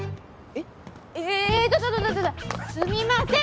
えっ？